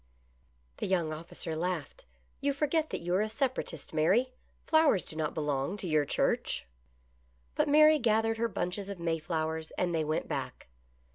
The young officer laughed. " You forget that you are a Separatist, Mary. Flowers do not belong to your church." But Mary gathered her bunches of Mayflowers and they went back.